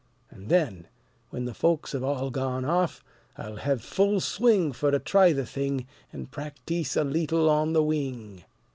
An' then, when the folks 'ave all gone off, I'll hev full swing Fer to try the thing, An' practyse a leetle on the wing."